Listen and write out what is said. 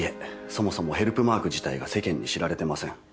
そもそもヘルプマーク自体が世間に知られてません。